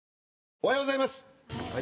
おはようございます。